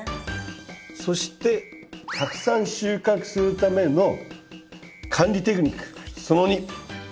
そしてたくさん収穫するための管理テクニックその２。